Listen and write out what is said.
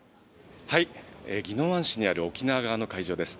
宜野湾市にある沖縄側の会場です。